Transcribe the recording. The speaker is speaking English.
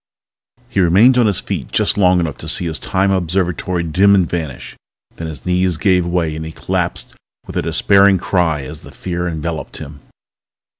He remained on his feet just long enough to see his Time Observatory dim and vanish. Then his knees gave way and he collapsed with a despairing cry as the fear enveloped him